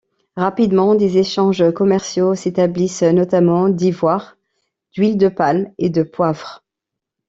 Rapidement des échanges commerciaux s'établissent, notamment d'ivoire, d'huile de palme et de poivre.